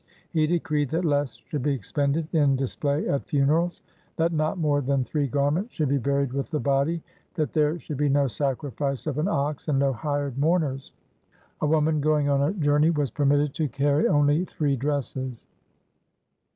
He decreed that less should be expended in display at funerals, that not more than three garments should be buried with the body, that there should be no sacrifice of an ox and no hired mourn ers. A woman going on a journey was permitted to carry only three dresses.